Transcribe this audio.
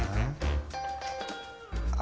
あ。